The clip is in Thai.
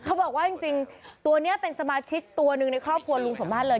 เขาบอกว่าจริงตัวนี้เป็นสมาชิกตัวหนึ่งในครอบครัวลุงสมมาตรเลย